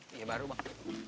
iya baru bang